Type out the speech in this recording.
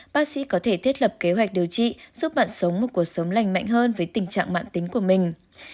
bác sĩ có thể thiết lập kế hoạch điều trị giúp bạn sống một cuộc sống lành mạnh hơn với tình trạng mạng tính của mình